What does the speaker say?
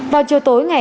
vào chiều tối ngày